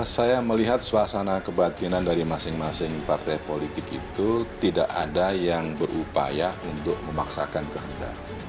saya melihat suasana kebatinan dari masing masing partai politik itu tidak ada yang berupaya untuk memaksakan kehendak